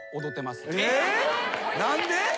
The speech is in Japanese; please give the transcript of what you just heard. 何で？